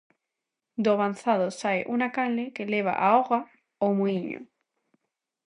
Do banzado sae unha canle que leva a auga ao muíño.